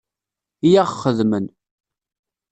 I aɣ-xedmen.